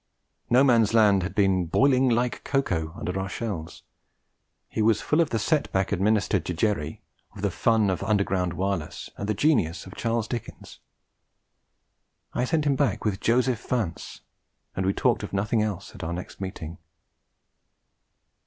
No Man's Land had been 'boiling like cocoa' under our shells; he was full of the set back administered to Jerry, of the fun of underground wireless and the genius of Charles Dickens. I sent him back with Joseph Vance, and we talked of nothing else at our next meeting.